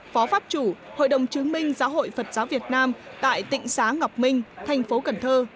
phó pháp chủ hội đồng chứng minh giáo hội phật giáo việt nam tại tỉnh xá ngọc minh thành phố cần thơ